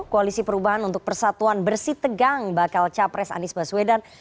koalisi perubahan untuk persatuan bersih tegang bakal capres anies baswedan